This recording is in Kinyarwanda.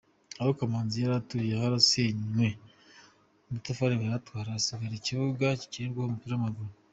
Aho Kankazi yari atuye harasenywe, amatafari aratwarwa, hasigara ikibuga gikinirwaho umupira w’amaguru.